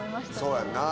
そうやんな。